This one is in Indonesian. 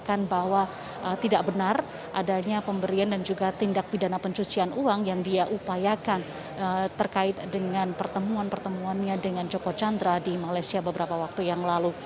dan mengutarakan bahwa tidak benar adanya pemberian dan juga tindak pidana pencucian uang yang dia upayakan terkait dengan pertemuan pertemuannya dengan joko chandra di malaysia beberapa waktu yang lalu